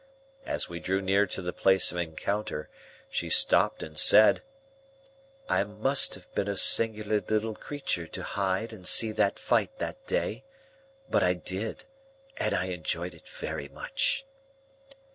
As we drew near to the place of encounter, she stopped and said,— "I must have been a singular little creature to hide and see that fight that day; but I did, and I enjoyed it very much."